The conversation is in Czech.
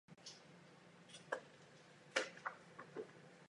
Odchovanec Sparty působil také v Plzni a Mladé Boleslavi.